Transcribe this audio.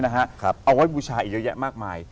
เอาไว้บูชาอีกเยอะแยะมากมาย